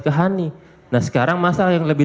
ke hani nah sekarang masalah yang lebih